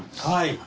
はい。